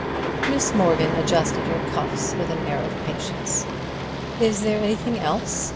Miss Morgan adjusted her cuffs with an air of patience. "Is there anything else?"